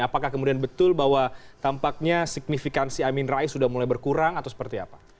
apakah kemudian betul bahwa tampaknya signifikansi amin rais sudah mulai berkurang atau seperti apa